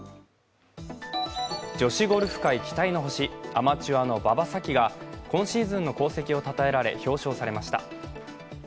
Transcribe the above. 女子ゴルフ界期待の星アマチュアの馬場咲希が今シーズンの功績をたたえられ表彰されました。